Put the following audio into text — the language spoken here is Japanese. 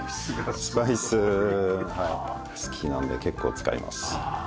スパイス好きなんで結構使います。